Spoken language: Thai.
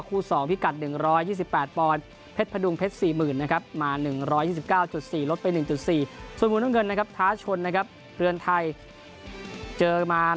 คู่ส่องพิกัด๑๒๘ปอนด์เพชรภดุงเพชรสีหมื่นนะครับมา๑๒๙๔